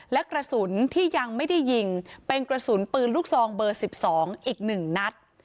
และกระสุนที่ยังไม่ได้ยิงเป็นกระสุนปืนลูกซองเบอร์๑๒อีก๑นัด